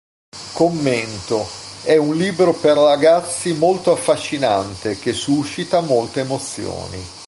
Commento:è un libro per ragazzi molto affascinante che suscita molte emozioni.